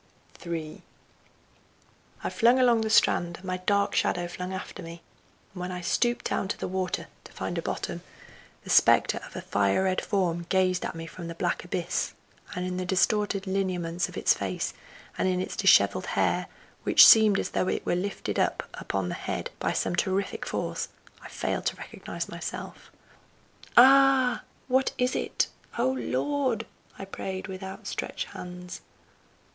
III I flung along the strand, and my dark shadow flung after me, and when I stooped down to the water to find a bottom, the spectre of a fire red form gazed at me from the black abyss, and in the distorted lineaments of its face, and in its dishevelled hair, which seemed as though it were lifted up upon the head by some terrific force, I failed to recognize myself. "Ah! what is it? O Lord!" I prayed with outstretched hands.